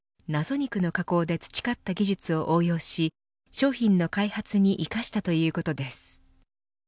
肉の加工で培った技術を応用し商品の開発に生かしたということです。